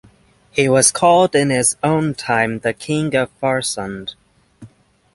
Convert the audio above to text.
He was called in his own time "The King of Farsund".